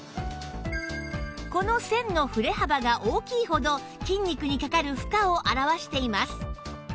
この線の振れ幅が大きいほど筋肉にかかる負荷を表しています